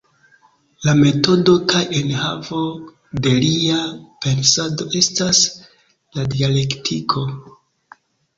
La metodo kaj enhavo de lia pensado estas la dialektiko.